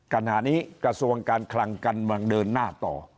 กันหน้านี้กระทรวงการคลังกำลังเดินหน้าต่อ